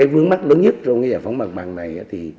vướng mắt lớn nhất trong giải phóng mặt bằng này